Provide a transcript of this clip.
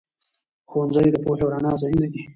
ښوونځي د پوهې او رڼا ځايونه دي.